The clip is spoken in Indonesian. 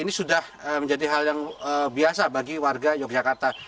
dan ini sudah menjadi hal yang biasa bagi warga yogyakarta